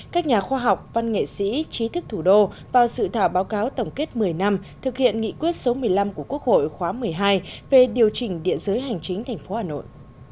các nhà khoa học văn nghệ sĩ trí thức thủ đô vào sự thảo báo cáo tổng kết một mươi năm thực hiện nghị quyết số một mươi năm của quốc hội khóa một mươi hai về điều chỉnh địa giới hành chính tp hà nội